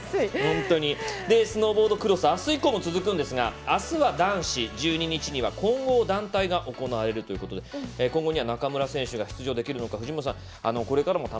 スノーボードクロスあす以降も続くんですがあすは男子１２日には混合団体が行われるということで今後には中村選手が出場できるのか藤本さん